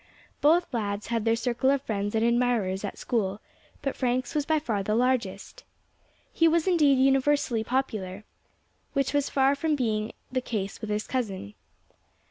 Both lads had their circle of friends and admirers at school, but Frank's was by far the largest. He was indeed universally popular, which was far from being the case with his cousin.